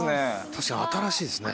確かに新しいですね。